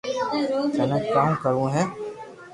ٿني ڪاو ڪروو ھي